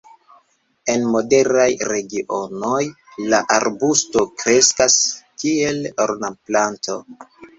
En moderaj regionoj la arbusto kreskas kiel ornamplanto.